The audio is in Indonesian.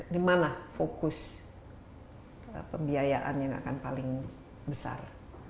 di mana fokus pembiayaan yang akan paling besar